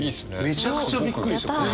めちゃくちゃびっくりした。